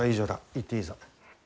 行っていいぞ。